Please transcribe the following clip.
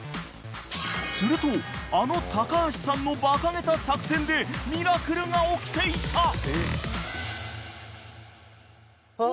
［するとあの橋さんのバカげた作戦でミラクルが起きていた！］